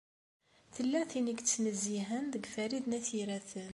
Tella tin i yettnezzihen deg Farid n At Yiraten.